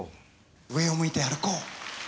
「『上を向いて歩こう』」